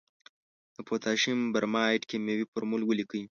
د پوتاشیم برماید کیمیاوي فورمول ولیکئ.